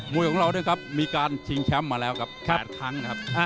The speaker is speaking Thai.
วยของเราด้วยครับมีการชิงแชมป์มาแล้วครับ๘ครั้งนะครับ